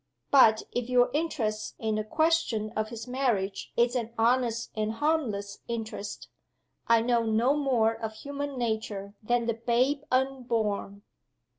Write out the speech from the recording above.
"But if your interest in the question of his marriage is an honest and a harmless interest, I know no more of human nature than the babe unborn!"